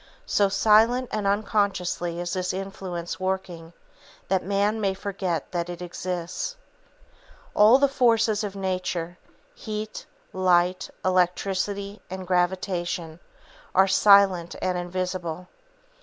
So silent and unconsciously is this influence working, that man may forget that it exists. All the forces of Nature, heat, light, electricity and gravitation, are silent and invisible.